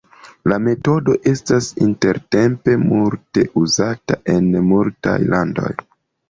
La metodo estas intertempe multe uzata en multaj landoj.